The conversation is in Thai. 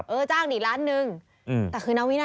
เออจ้างหนึ่งล้านหนึ่ง